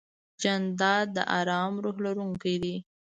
جانداد د ارام روح لرونکی دی.